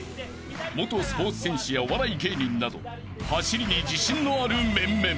［元スポーツ選手やお笑い芸人など走りに自信のある面々］